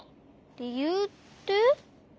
りゆうって？